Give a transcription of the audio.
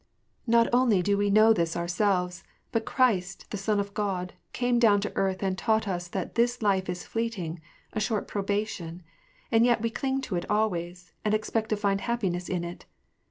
" Not only do we know this ourselves, but Christ, the son of God, came down to earth and taught us that this life is fleeting, a short probation ; and yet we cling to it always, and expect to find happiness in it.